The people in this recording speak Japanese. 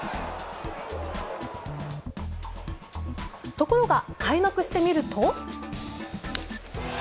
ところが開幕してみると。